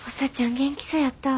元気そやったわ。